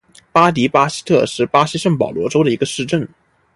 巴迪巴西特是巴西圣保罗州的一个市镇。